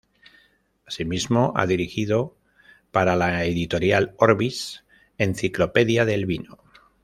Asimismo ha dirigido para la editorial Orbis "Enciclopedia del Vino’’.